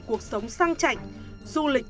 cuộc sống sang chạch du lịch